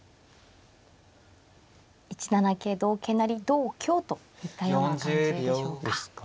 １七桂同桂成同香といったような感じでしょうか。